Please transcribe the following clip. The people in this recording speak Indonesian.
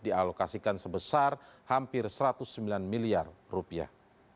dialokasikan sebesar hampir satu ratus sembilan miliar rupiah